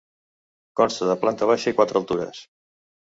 Consta de planta baixa i quatre altures.